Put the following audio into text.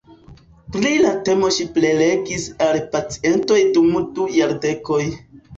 Pri la temo ŝi prelegis al pacientoj dum du jardekoj.